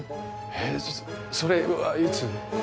へえそれはいつ？